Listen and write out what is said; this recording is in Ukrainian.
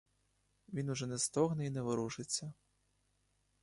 Він уже не стогне й не ворушиться.